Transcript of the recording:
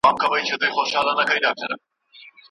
څو ژوندي وي افغانان دا به یې حال وي